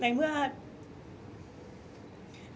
ในเมื่อเราทำตามหน้าที่ของประชาชนคนหนึ่งทั้งหมดอะ